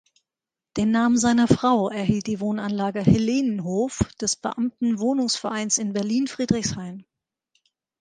Den Namen seiner Frau erhielt die Wohnanlage "Helenenhof" des Beamten-Wohnungsvereins in Berlin-Friedrichshain.